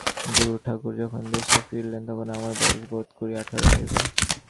গুরুঠাকুর যখন দেশে ফিরিলেন তখন আমার বয়স বোধ করি আঠারো হইবে।